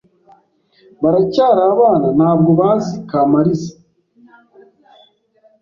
baracyari abana ntabwo bazi Kamaliza,